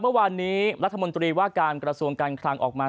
เมื่อวานนี้รัฐมนตรีว่าการกระทรวงการคลังออกมา